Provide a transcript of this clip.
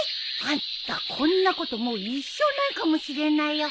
あんたこんなこともう一生ないかもしれないよ。